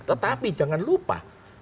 tetapi jangan lupa